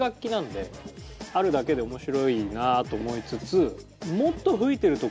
あるだけで面白いなと思いつつ。